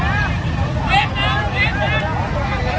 อันนี้ก็มันถูกประโยชน์ก่อน